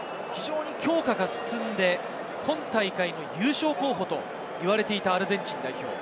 強化が進んで今大会、優勝候補と言われていたアルゼンチン代表。